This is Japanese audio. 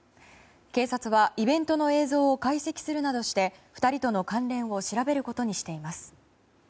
警察は、イベントの映像を解析するなどして２人との関連を調べることにしています。